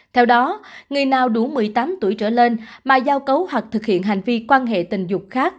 theo đó người nào đủ một mươi tám tuổi trở lên mà giao cấu hoặc thực hiện hành vi quan hệ tình dục khác